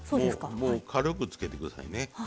軽くつけて下さいね。